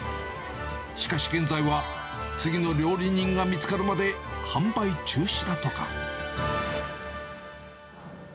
しかし現在は、次の料理人が見つかるまで販売中止だとか。